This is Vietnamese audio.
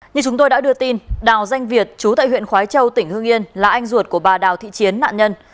như chúng tôi đã đưa tin đào danh việt chú tại huyện khói châu tỉnh hương yên là anh ruột của bà đào thị chiến nạn nhân